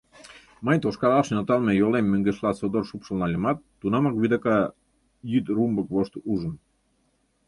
Мый тошкалаш нӧлталме йолем мӧҥгешла содор шупшыл нальымат, тунамак вудака йӱд румбык вошт ужым: